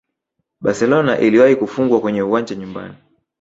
barcelona iliwahi kufungwa kwenye uwanja nyumbani